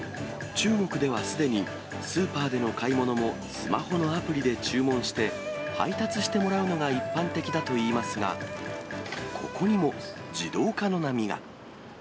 中国ではすでに、スーパーでの買い物もスマホのアプリで注文して、配達してもらうのが一般的だといいますが、ここにも自動化の波が。